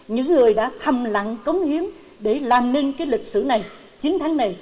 những người đã thầm lặng cống hiến để làm nên cái lịch sử này chiến thắng này